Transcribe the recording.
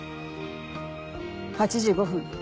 ８時５分